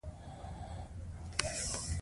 پکورې د سهر خوږې یادونې دي